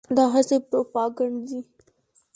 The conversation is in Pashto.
دا هسې پروپاګند دی.